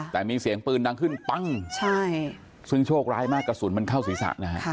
แต่มีเสียงปืนดังขึ้นปั๊งซึ่งโชคร้ายมากกระสุนเข้าศรีษะ